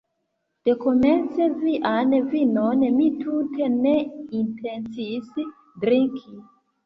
Dekomence vian vinon mi tute ne intencis drinki!